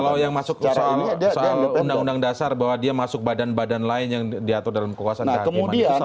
kalau yang masuk soal undang undang dasar bahwa dia masuk badan badan lain yang diatur dalam kekuasaan kehakiman itu sama